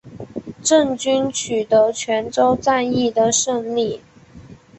郑军取得泉州战役的胜利。